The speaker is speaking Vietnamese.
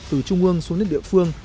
từ trung ương xuống đến địa phương